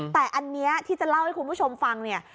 แต่อันนี้ที่จะเล่าให้คุณผู้ชมฟังเนี่ย